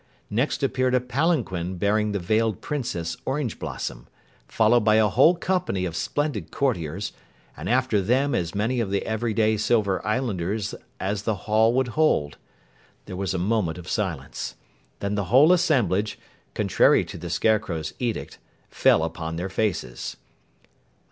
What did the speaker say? Next appeared a palanquin bearing the veiled Princess Orange Blossom, followed by a whole company of splendid courtiers and after them as many of the everyday Silver Islanders as the hall would hold. There was a moment of silence. Then the whole assemblage, contrary to the Scarecrow's edict, fell upon their faces.